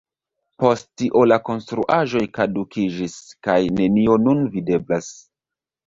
Post tio la konstruaĵoj kadukiĝis, kaj nenio nun videblas.